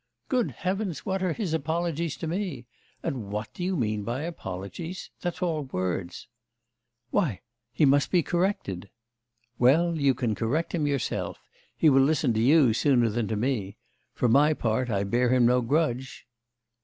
'Good Heavens, what are his apologies to me? And what do you mean by apologies? That's all words.' 'Why, he must be corrected.' 'Well, you can correct him yourself. He will listen to you sooner than to me. For my part I bear him no grudge.